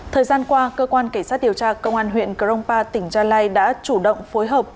thời gian qua cơ quan cảnh sát điều tra công an huyện cờ rông pa tỉnh gia lai đã chủ động phối hợp